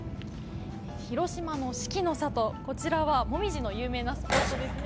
広島の四季の里、こちらはもみじの有名なスポットですね。